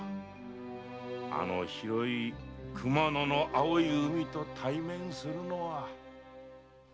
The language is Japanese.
あの広い熊野の青い海と対面するのは。